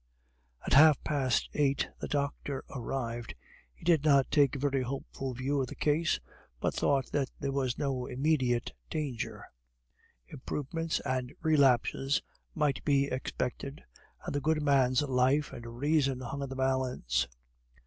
At half past eight the doctor arrived. He did not take a very hopeful view of the case, but thought that there was no immediate danger. Improvements and relapses might be expected, and the good man's life and reason hung in the balance.